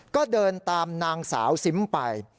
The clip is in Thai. ก็เดินตามนางสาวซิมไป